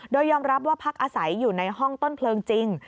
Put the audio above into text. โดยยอมรับว่าพักอาศัยอยู่ในห้องต้นเพลิงจริง